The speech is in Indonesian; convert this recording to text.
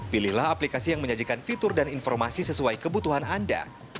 pilihlah aplikasi yang menyajikan fitur dan informasi sesuai kebutuhan anda